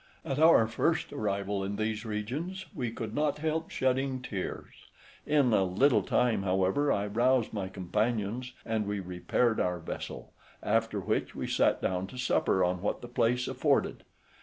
At our first arrival in these regions, we could not help shedding tears; in a little time, however, I roused my companions, and we repaired our vessel; after which, we sat down to supper on what the place afforded.